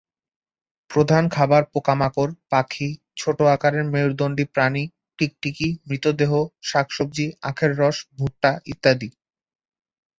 প্রধান খাবার পোকামাকড়, পাখি, ছোট আকারের মেরুদণ্ডী প্রাণী, টিকটিকি, মৃতদেহ, শাকসবজি, আখের রস, ভুট্টা ইত্যাদি।